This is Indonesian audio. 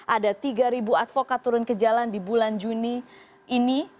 ada tiga advokat turun ke jalan di bulan juni ini